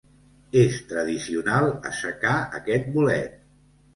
És tradicional assecar aquest bolet.